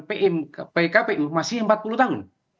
pmkpu masih empat puluh tahun